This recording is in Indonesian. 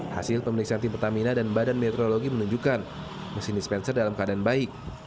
hasil pemeriksaan tim pertamina dan badan meteorologi menunjukkan mesin dispenser dalam keadaan baik